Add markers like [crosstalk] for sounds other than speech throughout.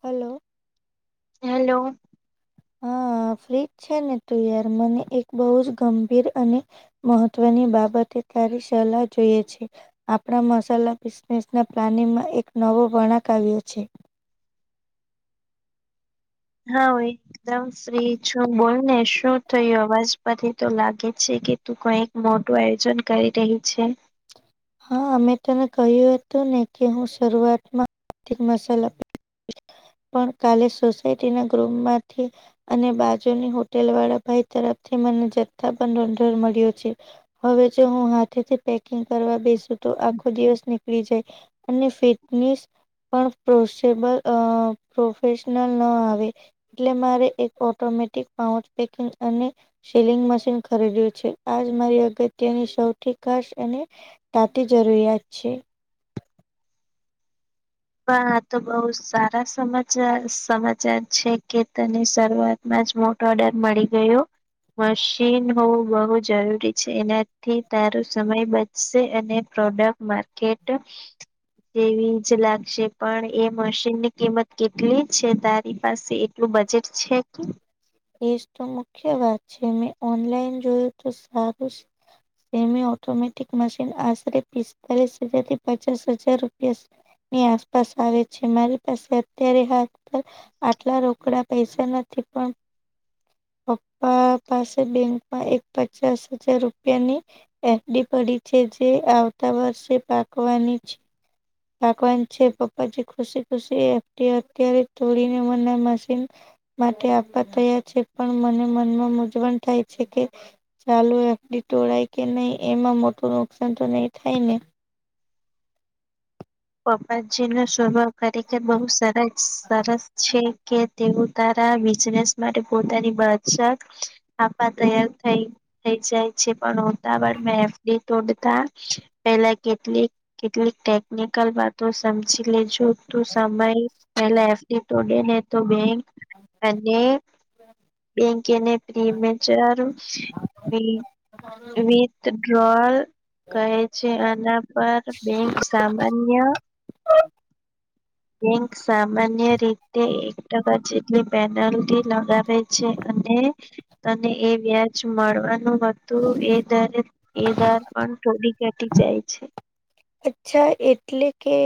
Hello hello હ fridge છે ને તું યાર મને એક બહુ જ ગંભીર અને મહત્વની બાબતે તારી સલાહ જોઈએ છે આપણા મસાલા બિઝનેસ ના પ્લાનિંગમાં એક નવો વણાક આવ્યો છે હા હોય એકદમ ફ્રી છું બોલ ને શું થયું અવાજ પરથી તો લાગે છે કે તું કઈક મોટું આયોજન કરી રહી છે હા મે તને કહ્યું હતું ને કે હું શરૂઆતમાં એક મસાલા પ પણ કાલે સોસાયટી ના ગ્રુપમાંથી અને બાજુની હોટેલવાળા ભાઈ તરફથી મને જથ્થાબંધ ઓર્ડર મળ્યો છે હવે જો હું હાથેથી પેકિંગ કરવા બેસું તો આખો દિવસ નીકળી જાય અને ફિટનિસ પણ પ્રોસેબલ અ પ્રોફેશનલ ન આવે એટલે મારે એક ઓટોમેટિક પાઉચ પેકિંગ અને સીલિંગ મશીન ખરીદ્યું છે આજ મારી અગત્યની સૌથી ખાસ અને તાતે જરૂરીયાત છે પણ આ તો બહુ સારા સમાચાર સમાચાર છે કે તને શરૂઆત માજ મોટો ઓર્ડર મળી ગયો મશીન હોવું બહુ જરૂરી છે એનાથી તારો સમય બચશે અને પ્રોડક્ટ માર્કેટ જેવી જ લાગ સે પણ એ મશીન ની કિંમત કેટલી છે તારી પાસે એટલું બજેટ છે એજ તો મુખ્ય વાત છે મેં ઓનલાઈન જોયું તો સાર મી ઓટમેટિકન આસ પિસ્તાલીસ હજારથી પચાસ હજાર રૂપિયા ની આસપાસ આવે છે મારી પાસે અત્યારે હાલ આટલા રોકડા પૈસા નથી પણ પપ્પા પાસે બેંકમાં એક પચાસ હજાર રૂપિયાની એફડી પડી છે જે આવતા વર્ષે પાકવાની છે પાકવાની છે પપ્પાજી ખુશી ખુશી એફડી અત્યારે તોડીને મને મશીન માટે આપવા તૈયાર છે પણ મને મનમાં મૂઝવણ થાય છે કે ચાલુ એફડી તોળાય કે નહી એમાં મોટું નુકસાન તો નઈ થાય ને પપ્પાજી નો સ્વભાવ ખરીખર બહુ સરસ સરસ છે કે તેઓ તારા બિઝનેસ માટે પોતાની બચત આપવા તૈયાર થઈ થઈ જાય છે પણ ઉતાાવર મા એફડી તોડતા પેલા કેટલીક કેટલીક ટેકનિક કલ વાતો સમજી લેજો તું સમય પેલા એફડી તોડે ને તો બેંક અને બેંકેને પ્રી મેચર વી વિથ ગલ કહે છે અના પર બેંક સા અન્ય બેંક સામાન્ય રીતે એક ટકા જે. પેનલ્ટી લગાવે છે અને તને એ વ્યાજ મળવાનું. બધું એ દરે એ દર પણ થોડી ઘટી જાય છે. અચ્છા એટલે કે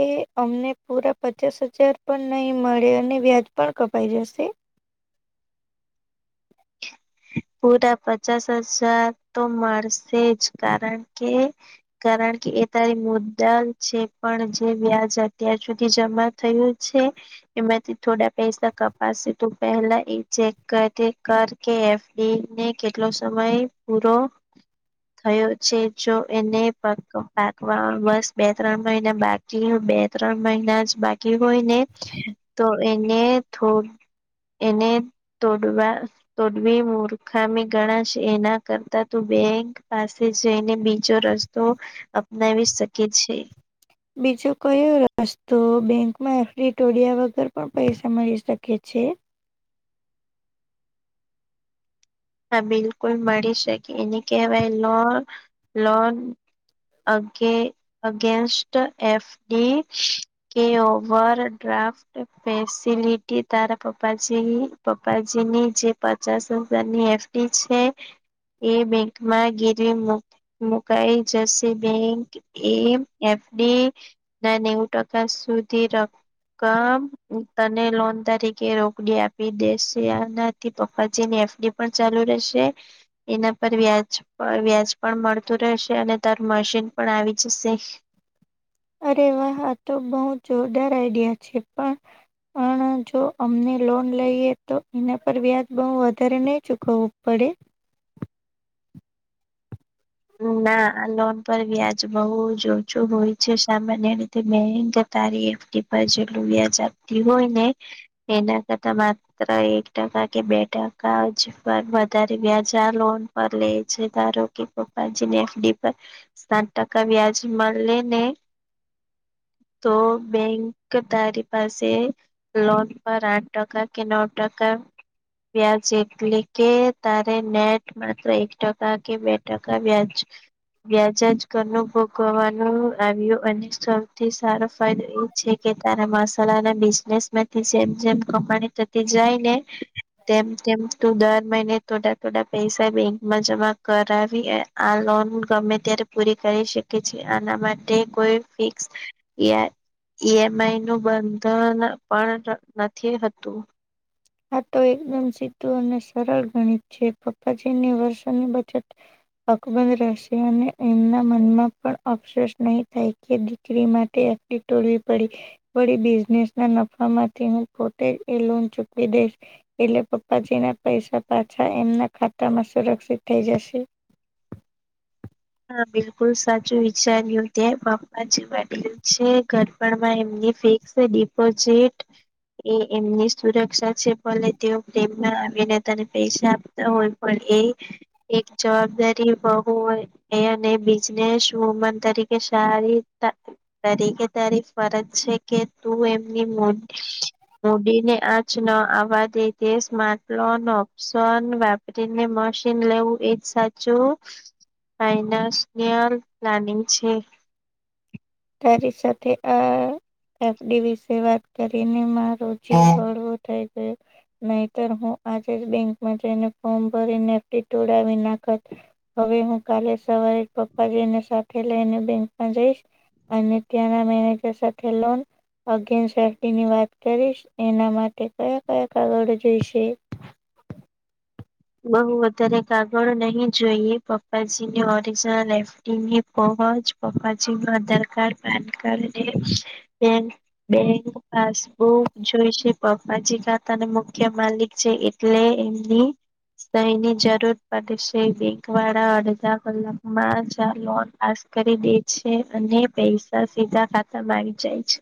અમને પૂરા પચાસ હજાર પણ નહી મળે અને વ્યાજ. પણ કપાઈ જશે. પૂરા પચાસ હજાર તો મળશે જ કારણ કે. કારણ કે એ તારી મુદ્દા છે પણ જે વ્યાજ અત્યાર સુધી જમા. થયું છે. એમાંથી થોડા પૈસા કપાશે તું પેલા એ ચેક કર કર કે. બેંક ને કેટલો સમય પૂરો. થયો છે જો એને પાક બસ બે ત્રણ મહિને બા. બે ત્રણ મહિના જ બાકી હોય ને તો એને થો. એને તોડવા. મેં મુર્ખામી ગણાશે એના કરતા તું બેંક પાસે જઈને બીજો રસ્તો. અપનાવી શકે છે. બીજો કયો રસ્તો બેંકમાં એફડી ટોડીયા વગર પણ પૈસા મળી શકે છે. હા બિલકુલ મળી શકે એને કહેવાય લોન લોન. અગે અગેન્સ્ટ એફ ડી. કે ઓવર ડ્રાફ. ફેસિલીટી તારા પપાજી પપાજીની જે પચાસ હજારની એફ. એફડી છે એ બેંકમાં ગીરવી મૂક. મુકાઈ જશે બેંક એ એફડી. ના નેવું ટકા સુધી ર. તને લોન તરીકે રોકડી આપી દેશે આનાથી પપાજી ની એફડી. પણ ચાલુ રહેશે. એના પર વ્યાજ વ્યાજ પણ મળતું રહેશે અને તારુ મશીન પણ આવી જશે. અરે વાહ આ તો બહુ જોરદાર આઈડિયા છે પણ. પણ જો અમને લોન લઈએ તો એના પર વ્યાજ બહુ વધારે નહી ચૂકવવું પડે. ના આ લોન પર વ્યાજ બહુ ઓછું હોય છે સામાન્ય રીતે બેંક. તારી એફડી પર જેટલું વ્યાજ આપતી હોય ને. એના કરતા માત્ર એક ટકા કે બે ટકા જ વધારે વ્યાજા લોન. પર લેય છે ધારો કે. પ્પાજી ને એફડી પર સાત ટકા વ્યાજ મળે ને. તો બેંક તારી પાસે. લોન પર આઠ ટકા કે નવ ટકા. વ્યાજ એટલે કે તારે નેટ માત્ર એક ટકા કે બે. ટકા વ્યાજ. વ્યાજા જ ઘરનું ભોગવવાનું આવ્યું અને સૌથી સારો ફાયદો એ. છે કે તારા મસાલાના બિઝનેસ માંથી જેમ જેમ કમાણી થતી જાય ને. તેમ તેમ તું દર મહિને થોડા થોડા પૈસા બેંકમાં જમા કરાવ. આ લોન ગમે ત્યારે પૂરી કરી શકે છે આના માટે કોઈ ફિક્સ. ઈએમઆઈ નું બંધન પણ નથી હતું. આ તો એકદમ સીધું અને સરળ ગણિત છે પપ્પાજીની વર્ષોની બચત. અકબંધ રહેશે અને એમના મનમાં પણ અફસોસ નહીં થાય કે દીકરી માટે. તોડવી પડી વળી બિઝનેસ ના નફા માંથી હું પોતે એ લોન. વિદેશ. એટલે પપ્પાજી ના પૈસા પાછા એમના ખાતામાં સુરક્ષિત થઈ જશે. હા બિલકુલ સાચું વિચાર્યું ત્યાં બાપ્પા જે વાડલું છેર. મા માં એમની ફિક્સ ડિપોઝિટ. એ એમની સુરક્ષા છે ભલે તેઓ પ્રેમ ના આવીને તને પૈસા. તા હોય પણ એ એક જવાબદારી બહુ હોય. એ અને બિઝનેસ વુમન તરીકે સારી તા તરીકે તારી ફરજ છે કે તું એમની મો [unintelligible] મોદી ને આજ ન આવવા દે [unintelligible] ઓપ્શન વા [unintelligible] મશીન લેવું એજ સાચું ફાઈનાન્સયલ પ્લાનિંગ છે. તારી સાથે આ એફ ડી વિશે વાત કરીને મારો જીવ હળવો થઈ ગયો. નહીતર હું આજે જ બેંકમાં જઈને ફોર્મ ભરીને એફ ડી તોડાવી નાખત. હવે હું કાલે સવારે જ પપ્પાજીને સાથે લઈને બેંકમાં જઈશ. અને ત્યાંના મેનેજર સાથે લોન અગેન્ સેફ્ટીની વાત કરીશ ને એના માટે કયા કયા કાગળો જોઈશે? બહુ વધારે કાગળ નહી જોઈએ પપ્પાજીને ઓરિજનલ એફ ડીની ફોમજ પપ્પાજીનું આધાર કાર્ડ, પાન કાર્ડ અને બેંક બેંક પાસબુક જોઈશે પપ્પાજી ખાતાના મુખ્ય માલિક છે એ એટલે એમની સહીની જરૂર પડશે બેંકવાળા અડધા કલાકમાં જ આ લોન પાસ કરી દે છે અને પૈસા સીધા ખાતામાં આવી જાય છે.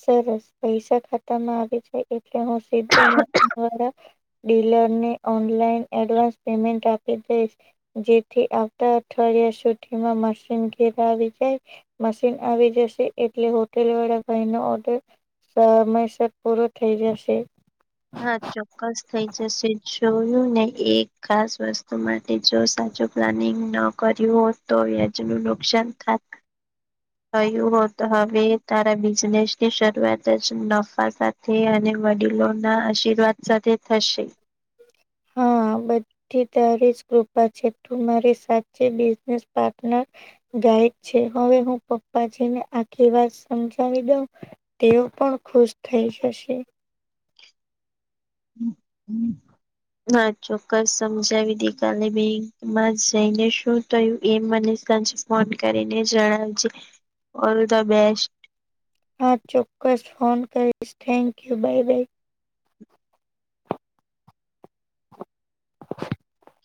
સરસ પૈસા ખાતામાં આવી જાય એટલે હું સિધો [unintelligible] ડીલરને ઓનલાઈન એડવાન્સ પેમેન્ટ આપી દઈશ. જેથી આવતા અઠવાડિયા સુધીમાં મશીન ઘેર આવી જાય. મશીન આવી જશે એટલે હોટેલવાળા ભાઈનો ઓર્ડર સમયસર પૂરો થઈ જશે. હા ચોક્કસ થઈ જશે જોયુંને એક ખાસ વસ્તુમાં તે જો સાચું પ્લાનિંગ ન કર્યું હોત તો વ્યાજનું નુકસાન થાય? થયું હો તો હવે તારા બિઝનેસની શરૂઆત જ નફા સાથ થી અને વડીલોના આશીર્વાદ સાથે થશે. હા બટ તે તારી જ કૃપા છે તું મારી સાચી બિઝનેસ પાર્ટનર ગાઈડ છે હવે હું પપ્પાજીને આખી વાત સમજાવી દઉં. તેઓ પણ ખુશ થઈ જશે. [inaudible] હા ચોક્કસ સમજાવી દે કાલે બેંકમાં જઈને શું થયું એમ મનેં સાંજે ફોન કરીને જણાવજે ઓલ ધ બેસ્ટ. હા ચોક્કસ ફોન કરીશ થેન્ક યુ બાય બાય. [inaudible]